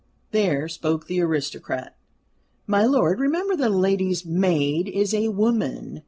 "There spoke the aristocrat. My lord, remember that a lady's maid is a woman.